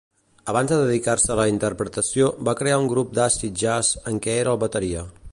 Abans de dedicar-se a la interpretació, va crear un grup d'acid jazz en què era el bateria.